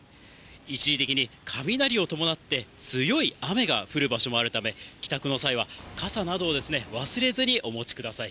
一時的に雷を伴って強い雨が降る場所もあるため、帰宅の際は傘などを忘れずにお持ちください。